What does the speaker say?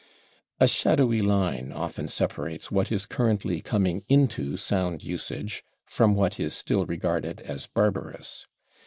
A shadowy line often separates what is currently coming into sound usage from what is still regarded as barbarous.